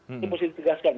itu mesti ditegaskan